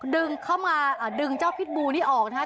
ดึงเข้ามาดึงเจ้าพิษบูนี้ออกนะคะ